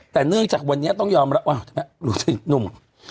แต่เนื่องจากวันนี้ต้องยอมรับว่ารู้สึกหนุ่ม